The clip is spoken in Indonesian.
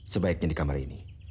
sebaiknya di kamar ini